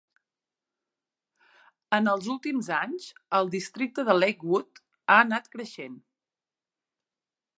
En els últims anys, el districte de Lakewood ha anat creixent.